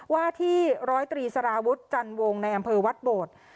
ว่าที่ร้อยตรีสารวุฒิจันวงในอำเภอวัดโบด